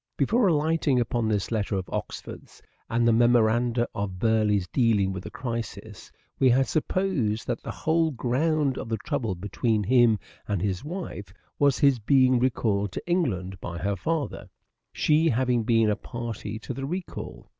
Before alighting upon this letter of Oxford's and the memoranda of Burleigh's dealing with the crisis, we had supposed that EARLY MANHOOD OF EDWARD DE VERE 275 the whole ground of the trouble between him and his wife was his being recalled to England by her father ; she having been a party to the recall.